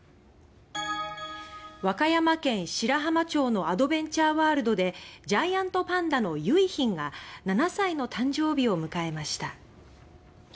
和歌山県白浜町のアドベンチャーワールドでジャイアントパンダの「結浜」が７歳の誕生日を迎えました。